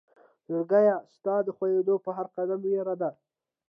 زړګيه ستا د خوئيدو په هر قدم وئيره ده